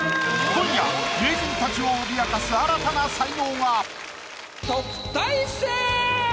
今夜名人たちを脅かす新たな才能が！